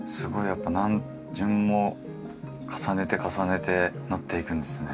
やっぱ何巡も重ねて重ねて塗っていくんですね。